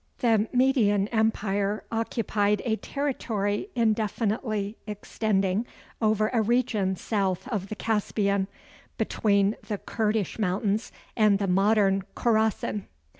The Median Empire occupied a territory indefinitely extending over a region south of the Caspian, between the Kurdish Mountains and the modern Khorassan.